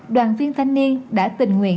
đoàn viên thanh niên đã tình nguyện